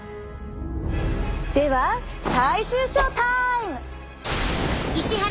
では最終ショータイム！